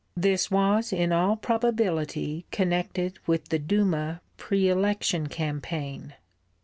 This was in all probability connected with the Duma pre election campaign.